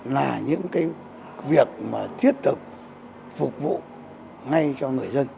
là những cái việc mà thiết thực phục vụ ngay cho người dân